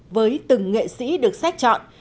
với từng nghệ sĩ được sách chọn